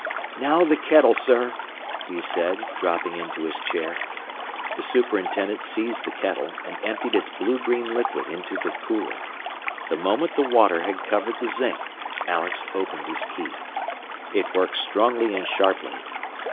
"Now the kettle, sir," he said, dropping into his chair. The superintendent seized the kettle, and emptied its blue green liquid into the cooler. The moment the water had covered the zinc Alex opened his key. It worked strongly and sharply.